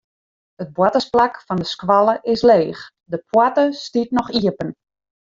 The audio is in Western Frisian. It boartersplak fan de skoalle is leech, de poarte stiet noch iepen.